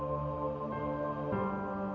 gak ada yang bisa dihukum